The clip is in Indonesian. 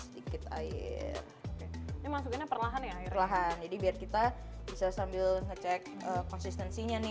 sedikit air ini masukinnya perlahan ya air lahan jadi biar kita bisa sambil ngecek konsistensinya nih